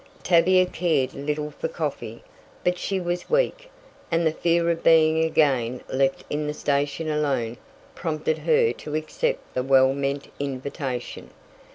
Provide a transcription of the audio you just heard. Tavia cared little for coffee, but she was weak, and the fear of being again left in the station alone prompted her to accept the well meant invitation.